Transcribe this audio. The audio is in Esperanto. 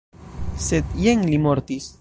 Sed jen li mortis.